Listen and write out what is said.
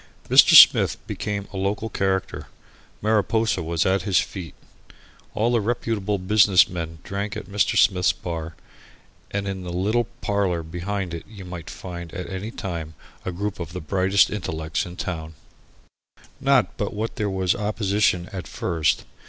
Mr. Smith became a local character. Mariposa was at his feet. All the reputable business men drank at Mr. Smith's bar, and in the little parlour behind it you might find at any time a group of the brightest intellects in the town. Not but what there was opposition at first.